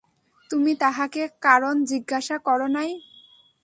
তুমি তাহাকে কারণ জিজ্ঞাসা কর নাই?